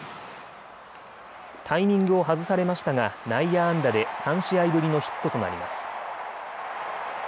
タイミングを外されましたが内野安打で３試合ぶりのヒットとなります。